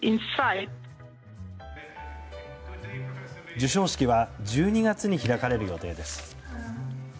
授賞式は１２月に開かれる予定です。